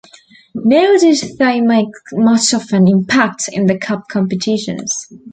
Nor did they make much of an impact in the cup competitions.